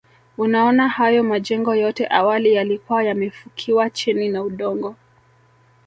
Unaona hayo majengo yote awali yalikuwa yamefukiwa chini na udongo